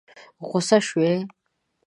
غوسه شوې؟